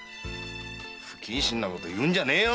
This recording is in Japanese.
不謹慎なこと言うんじゃねえよ。